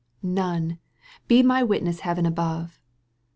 None, he my witness Heaven above